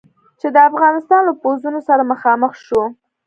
چې د افغانستان له پوځونو سره مخامخ شو.